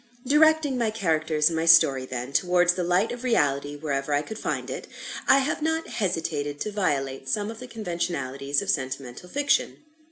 Directing my characters and my story, then, towards the light of Reality wherever I could find it, I have not hesitated to violate some of the conventionalities of sentimental fiction.